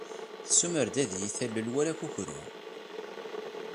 Tessumer-d ad iyi-talel war akukru.